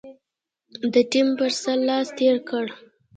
د يتيم پر سر لاس تېر کړه.